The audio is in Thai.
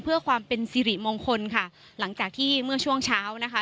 เพื่อความเป็นสิริมงคลค่ะหลังจากที่เมื่อช่วงเช้านะคะ